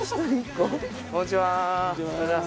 こんにちは。